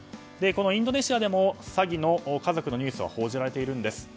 このインドネシアでも詐欺の家族のニュースは報じられているんです。